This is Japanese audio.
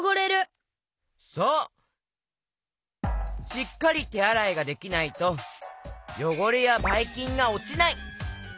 しっかりてあらいができないとよごれやバイキンがおちない！